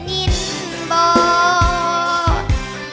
นิ่นบอด